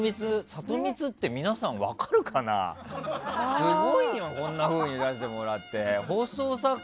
すごいよこんなふうに出してもらって。